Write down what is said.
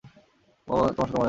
ও তোমার সাথে মজা নিচ্ছে না।